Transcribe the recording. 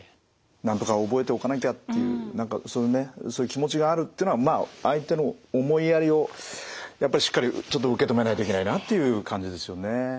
なんとか覚えておかなきゃっていうそういう気持ちがあるっていうのはまあ相手の思いやりをやっぱりしっかりちょっと受け止めないといけないなという感じですよね。